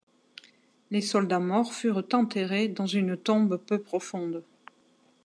Les soldats morts furent enterrés dans une tombe peu profonde.